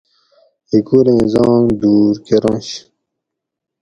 ھیکوریں زانگ دور کرنش